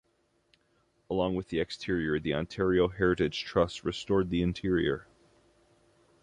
Along with the exterior, the Ontario Heritage Trust restored the interior.